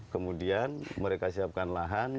kemudian mereka siapkan lahan